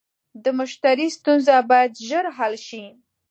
د مشتری ستونزه باید ژر حل شي.